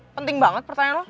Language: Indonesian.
penting banget pertanyaan lo